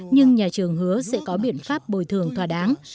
nhưng nhà trường hứa sẽ có biện pháp bồi thường thỏa đáng